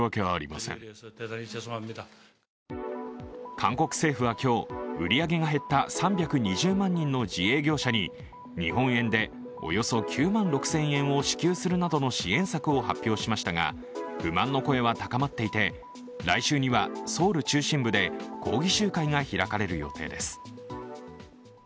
韓国政府は今日、売り上げが減った３２０万人の自営業者に日本円でおよそ９万６０００円を支給するなどの支援策を発表しましたが、不満の声は高まっていて、来週にはソウル中心部で抗議集会が開かれる予定です。